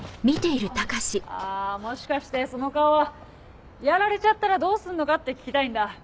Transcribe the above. あもしかしてその顔はやられちゃったらどうすんのかって聞きたいんだ。